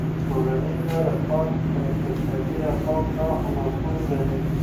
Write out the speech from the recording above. ټولنیزه رفاه تر اقتصادي رفاه پراخه مفهوم لري.